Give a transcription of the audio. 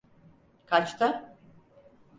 Kaçta?